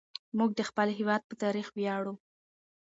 موږ د خپل هېواد په تاريخ وياړو.